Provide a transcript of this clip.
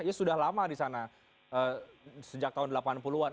ya sudah lama di sana sejak tahun delapan puluh an